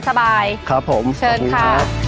ครับผมขอบคุณครับเชิญค่ะ